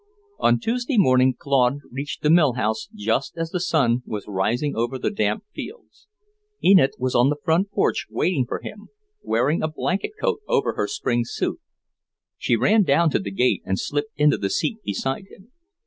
On Tuesday morning Claude reached the mill house just as the sun was rising over the damp fields. Enid was on the front porch waiting for him, wearing a blanket coat over her spring suit. She ran down to the gate and slipped into the seat beside him.